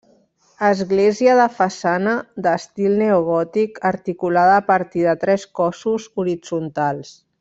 Església de façana d'estil neogòtic articulada a partir de tres cossos horitzontals.